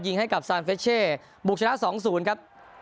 ให้กับซานเฟชเช่บุกชนะ๒๐ครับ